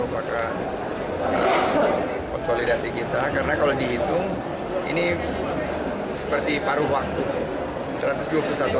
apakah konsolidasi kita karena kalau dihitung ini seperti paruh waktu